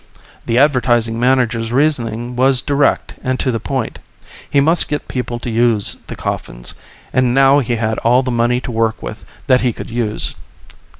The Advertising Manager's reasoning was direct and to the point. He must get people to use the coffins; and now he had all the money to work with that he could use.